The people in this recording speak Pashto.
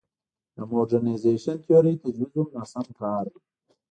د موډرنیزېشن تیورۍ تجویز هم ناسم کار دی.